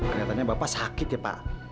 kenyatanya bapak sakit ya pak